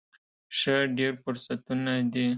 ښه، ډیر فرصتونه دي